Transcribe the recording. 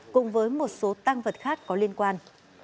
cùng với một số tăng vật khác có liên quan